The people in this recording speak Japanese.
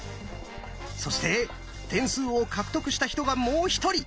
そして点数を獲得した人がもう一人。